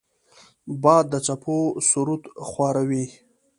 باد د څپو سرود خواره وي